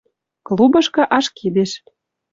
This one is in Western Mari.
Клубышкы ашкедеш.